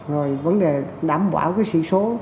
rồi vấn đề đảm bảo cái sỉ số